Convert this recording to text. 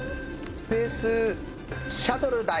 『スペースシャトルダイ』。